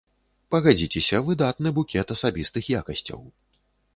Пагадзіцеся, выдатны букет асабістых якасцяў.